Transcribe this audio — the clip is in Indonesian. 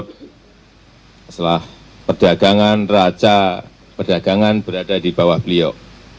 setelah perdagangan raca perdagangan berada di bawah beliau